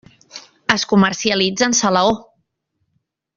Es comercialitza en salaó.